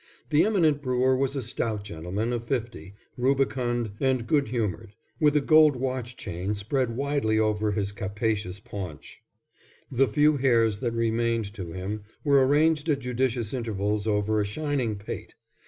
The eminent brewer was a stout gentleman of fifty, rubicund and good humoured, with a gold watch chain spread widely over his capacious paunch. The few hairs that remained to him were arranged at judicious intervals over a shining pate.